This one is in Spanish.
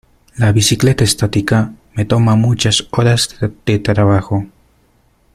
La bicicleta estática me toma muchas horas de trabajo.